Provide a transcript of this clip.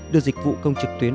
được dịch vụ công trực tuyến